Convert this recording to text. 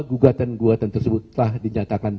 gugatan gugatan tersebut telah dinyatakan